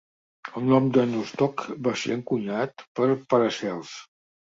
El nom de "Nostoc" va ser encunyat per Paracels.